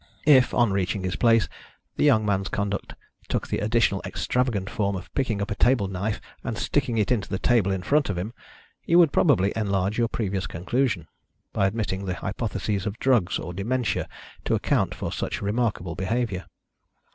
If, on reaching his place, the young man's conduct took the additional extravagant form of picking up a table knife and sticking it into the table in front of him, you would probably enlarge your previous conclusion by admitting the hypotheses of drugs or dementia to account for such remarkable behaviour.